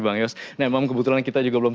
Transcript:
bang yos nah memang kebetulan kita juga belum